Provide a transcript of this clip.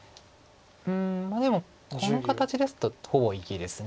うんまあでもこの形ですとほぼ生きです。